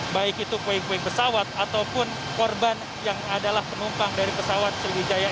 baik itu puing puing pesawat ataupun korban yang adalah penumpang dari pesawat sriwijaya